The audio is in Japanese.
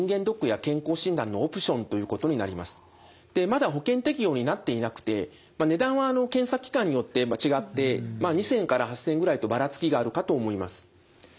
まだ保険適用になっていなくて値段は検査機関によって違って２，０００円から８，０００円ぐらいとばらつきがあるかと思います。